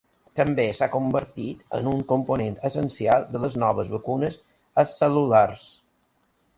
També s'ha convertit en un component essencial de les noves vacunes acel·lulars.